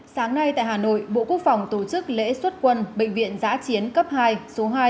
sáng nay tại hà nội bộ quốc phòng tổ chức lễ xuất quân bệnh viện giã chiến cấp hai số hai